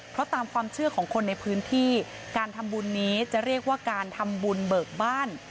เพราะตามความเชื่อของคนในพื้นที่การทำบุญนี้จะเรียกว่าการทำบุญเบิกบ้าน